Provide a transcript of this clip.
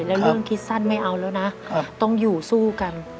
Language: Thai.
แล้วเรื่องคิดสั้นไม่เอาแล้วนะต้องอยู่สู้กัน